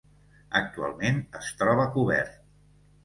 Actualment es troba cobert.